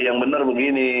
yang benar begini